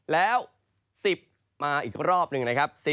แล้ว๑๐มาอีกรอบหนึ่ง